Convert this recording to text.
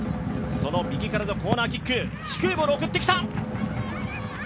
右からのコーナーキック、低いボールを送ってきた。